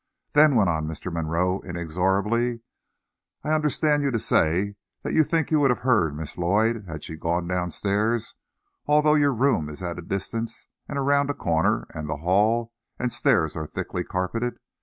"Then," went on Mr. Monroe, inexorably, "I understand you to say that you think you would have heard Miss Lloyd, had she gone down stairs, although your room is at a distance and around a corner and the hall and stairs are thickly carpeted.